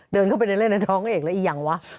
เดินเข้าไปเล่นในท้องเอกแล้วอีกอย่างวะ